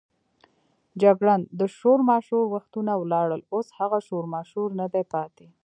جګړن: د شورماشور وختونه ولاړل، اوس هغه شورماشور نه دی پاتې.